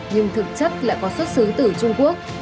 nhưng thực chất lại có xuất xứ từ trung quốc